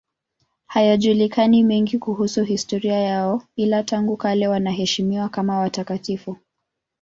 Hayajulikani mengine kuhusu historia yao, ila tangu kale wanaheshimiwa kama watakatifu.